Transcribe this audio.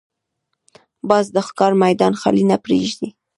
باز د ښکار میدان خالي نه پرېږدي